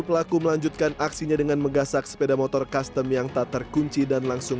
pelaku melanjutkan aksinya dengan menggasak sepeda motor custom yang tak terkunci dan langsung